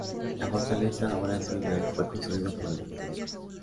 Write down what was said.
La fortaleza, ahora en ruinas, fue construido por los británicos.